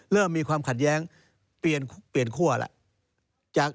เริ่มมีความขัดแย้งเปลี่ยนคั่วแล้ว